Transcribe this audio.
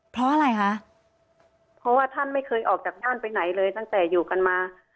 เพราะอะไรคะเพราะว่าท่านไม่เคยออกจากท่านไปไหนเลยตั้งแต่อยู่กันมา